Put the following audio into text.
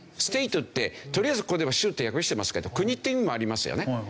Ｓｔａｔｅってとりあえずここでは州って訳してますけど国って意味もありますよね。